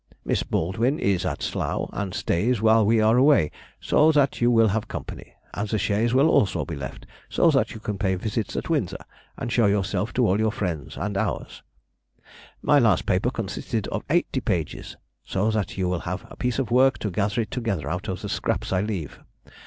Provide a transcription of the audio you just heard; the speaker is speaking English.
Miss Baldwin is at Slough, and stays while we are away, so that you will have company, and the chaise will also be left, so that you can pay visits at Windsor, and show yourself to all your friends and ours. My last paper consisted of eighty pages, so that you will have a piece of work to gather it together out of the scraps I leave.